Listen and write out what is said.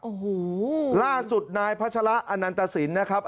อูหูล่าสุดนายพระชะละอนันตสินนะครับ